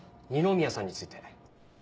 二宮さんについて。